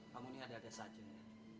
kamu ini ada ada saja ya